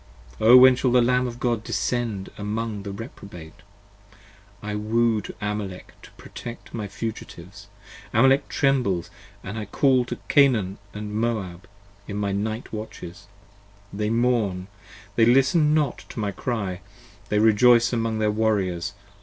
15 O when shall the Lamb of God descend among the Reprobate? 1 woo to Amalek to protect my fugitives, Amalek trembles: I call to Canaan & Moab in my night watches, they mourn: They listen not to my cry, they rejoice among their warriors.